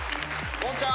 今ちゃん！